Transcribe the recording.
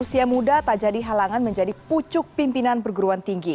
usia muda tak jadi halangan menjadi pucuk pimpinan perguruan tinggi